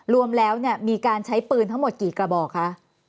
รวมแล้วมีการใช้ปืนทั้งหมดกี่กระบอกคะ